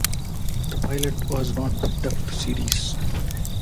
The pilot was not picked up to series.